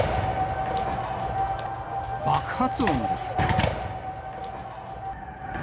爆発音です。